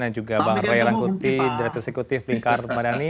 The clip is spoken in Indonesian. dan juga bang ray rangkuti direktur eksekutif lingkar madani